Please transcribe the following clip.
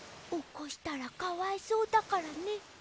おこしたらかわいそうだからね。